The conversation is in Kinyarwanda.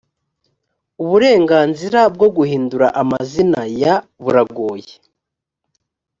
uburenganzira bwo guhindura amazina ya buragoye.